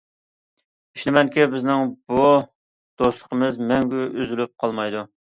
ئىشىنىمەنكى، بىزنىڭ بۇ دوستلۇقىمىز مەڭگۈ ئۈزۈلۈپ قالمايدۇ.